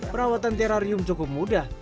perawatan terarium cukup mudah